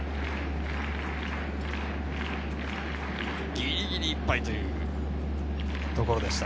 ギリギリいっぱいというところでした。